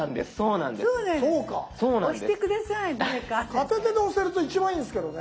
片手で押せると一番いいんすけどね。